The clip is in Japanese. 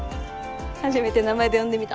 初めて名前で呼んでみた。